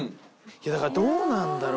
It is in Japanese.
いやだからどうなんだろう？